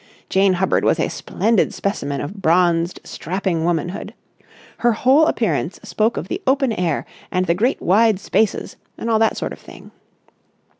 Jane Hubbard was a splendid specimen of bronzed, strapping womanhood. Her whole appearance spoke of the open air and the great wide spaces and all that sort of thing.